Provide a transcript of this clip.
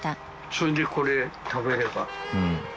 それでこれ食べれば。